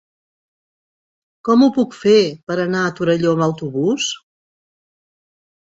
Com ho puc fer per anar a Torelló amb autobús?